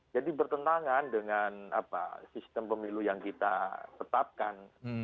jadi bertentangan dengan sistem pemilu yang kita tetapkan